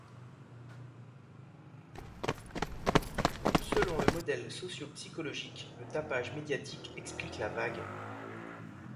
Selon le modèle sociopsychologique, le tapage médiatique explique la vague.